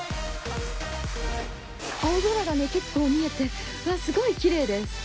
青空がね結構見えてすごいきれいです。